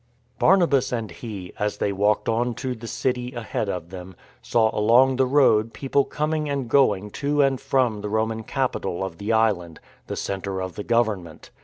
Barnabas and he, as they walked on to the city, jahead of them, saw along the road people coming and going to and from the Roman capital of the island — the centre of the government.